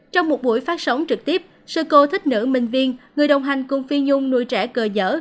trong một buổi phát sóng trực tiếp sư cô thích nữ minh viên người đồng hành cùng phi nhung nuôi trẻ cơ dở